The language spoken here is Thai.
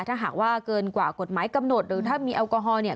ถ้าหากว่าเกินกว่ากฎหมายกำหนดหรือถ้ามีแอลกอฮอลเนี่ย